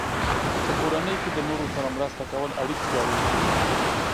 په کورنۍ کې د نورو سره مرسته کول اړیکې پیاوړې کوي.